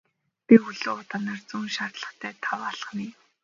Би хөлөө удаанаар зөөн шаардлагатай таван алхам хийв.